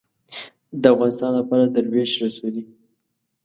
د افغانستان لپاره دروېش رسولې